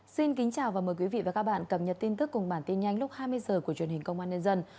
xin kính chào và mời quý vị và các bạn cập nhật tin tức cùng bản tin nhanh lúc hai mươi h của truyền hình công an nhân dân